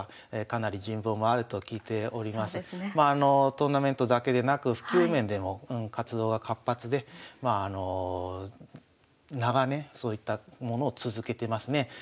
トーナメントだけでなく普及面でも活動は活発で長年そういったものを続けてますね。